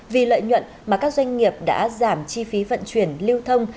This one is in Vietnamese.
vì lợi nhuận mà các doanh nghiệp đã giảm chi phí vận chuyển lưu thông